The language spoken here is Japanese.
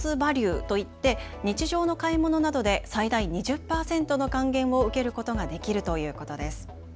ＶＡＬＵＥといって日常の買い物などで最大２０％の還元を受けることができるということです。